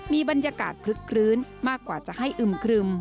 มีบรรยากาศคลึกคลื้นมากกว่าจะให้อึมครึม